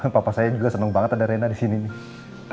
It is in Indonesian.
papa saya juga seneng banget ada rena disini nih